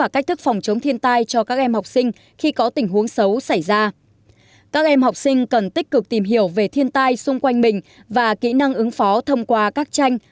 các em học sinh cần tích cực tìm hiểu về thiên tai xung quanh mình và kỹ năng ứng phó thông qua các tranh